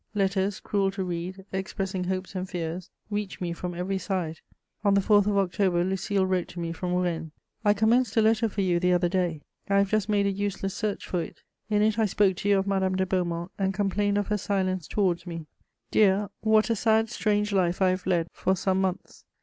Letters, cruel to read, expressing hopes and fears, reached me from every side. On the 4th of October, Lucile wrote to me from Rennes: * [Sidenote: Letters from Lucile.] "I commenced a letter for you the other day; I have just made a useless search for it; in it I spoke to you of Madame de Beaumont, and complained of her silence towards me. Dear, what a sad, strange life I have led for some months!